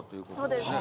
そうです。